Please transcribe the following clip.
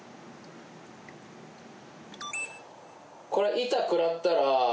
これ板食らったら。